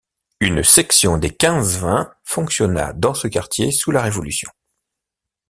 Une section des Quinze-Vingts fonctionna dans ce quartier sous la Révolution.